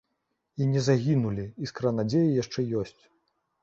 І не загінулі, іскра надзеі яшчэ ёсць.